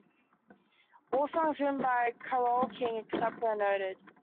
All songs written by Carole King, except where noted.